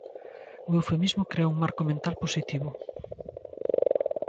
O eufemismo crea un marco mental positivo.